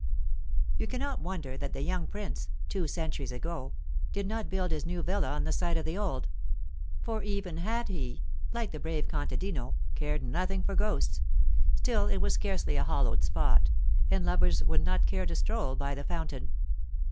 You cannot wonder that the young prince (two centuries ago) did not build his new villa on the site of the old; for even had he, like the brave contadino, cared nothing for ghosts, still it was scarcely a hallowed spot, and lovers would not care to stroll by the fountain.